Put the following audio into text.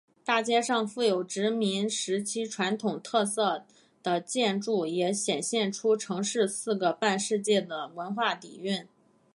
大街上富有殖民时期传统特色的建筑也显现出城市四个半世纪的文化底蕴。